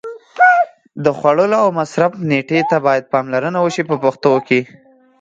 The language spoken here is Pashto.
د خوړلو او مصرف نېټې ته باید پاملرنه وشي په پښتو کې.